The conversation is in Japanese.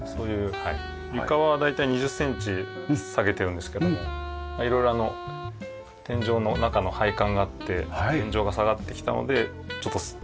床は大体２０センチ下げてるんですけども色々あの天井の中の配管があって天井が下がってきたのでちょっと下げたと。